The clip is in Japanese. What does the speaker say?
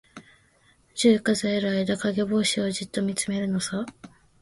十、数える間、かげぼうしをじっとみつめるのさ。